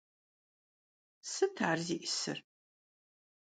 Sıt ar zi'ısır?